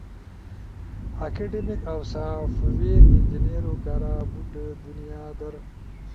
اکیڈمیک اؤ سافٹ ویر انجنیئرو کارا بُوٹ دنیا در